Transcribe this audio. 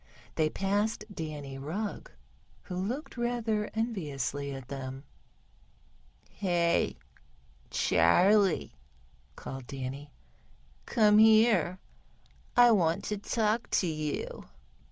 They passed Danny Rugg, who looked rather enviously at them. "Hey, Charley," called Danny, "come here, I want to speak to you."